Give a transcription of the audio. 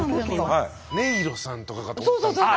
音色さんとかかと思ったねっ何かね。